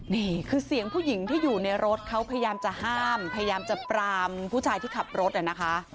นี่คือเสียงผู้หญิงที่อยู่ในรถเขาพยายามจะห้ามพยายามจะปรามผู้ชายที่ขับรถนะคะ